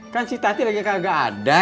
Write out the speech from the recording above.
kan si tati lagi kagak ada